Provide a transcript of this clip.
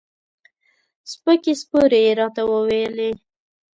سپکې سپورې یې راته وویلې.